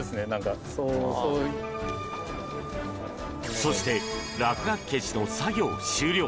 そして落書き消しの作業終了！